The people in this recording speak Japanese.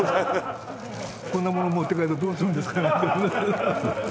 こんなもの持って帰ってどうするんですかね？